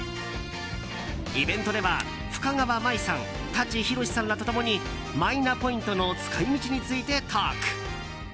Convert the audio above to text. イベントでは、深川麻衣さん舘ひろしさんらと共にマイナポイントの使い道についてトーク。